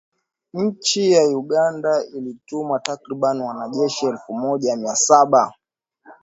Nchi ya Uganda ilituma takribani wanajeshi elfu moja mia saba